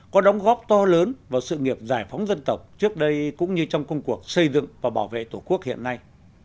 có đóng góp to lớn vào sự nghiệp giải phóng dân tộc trước đây cũng như trong công cuộc xây dựng và bảo vệ tổ quốc hiện nay